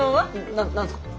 なっ何すか？